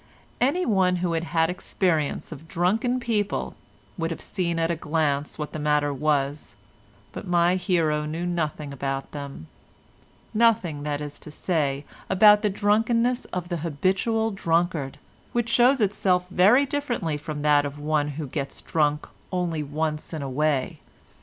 Anyone who had had experience of drunken people would have seen at a glance what the matter was, but my hero knew nothing about them—nothing, that is to say, about the drunkenness of the habitual drunkard, which shows itself very differently from that of one who gets drunk only once in a way.